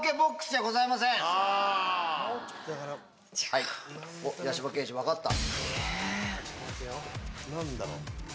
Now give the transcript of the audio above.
はい八嶋刑事分かった。